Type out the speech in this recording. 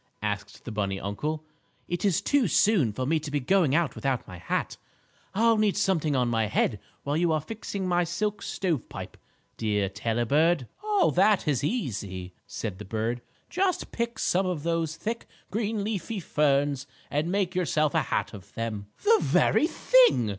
asked the bunny uncle. "It is too soon for me to be going about without my hat. I'll need something on my head while you are fixing my silk stovepipe, dear Tailor Bird." "Oh, that is easy," said the bird. "Just pick some of those thick, green leafy ferns and make yourself a hat of them." "The very thing!"